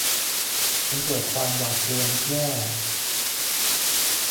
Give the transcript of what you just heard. จึงเกิดความหวาดกลัวนึกว่า